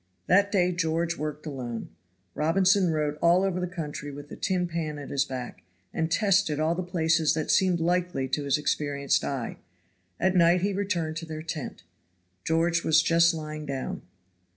That day George worked alone. Robinson rode all over the country with a tin pan at his back, and tested all the places that seemed likely to his experienced eye. At night he returned to their tent. George was just lying down.